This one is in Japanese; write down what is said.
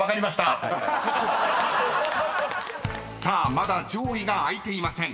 ［まだ上位が開いていません。